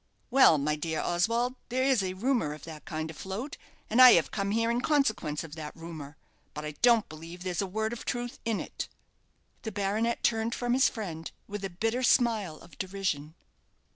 "Well, my dear Oswald, there is a rumour of that kind afloat, and I have come here in consequence of that rumour. But I don't believe there's a word of truth in it." The baronet turned from his friend with a bitter smile of derision.